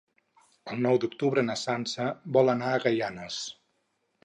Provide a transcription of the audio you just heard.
El nou d'octubre na Sança vol anar a Gaianes.